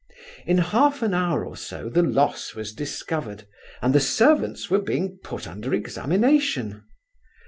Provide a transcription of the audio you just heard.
"In half an hour or so the loss was discovered, and the servants were being put under examination.